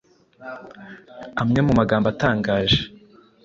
Amwe mu magambo atangaje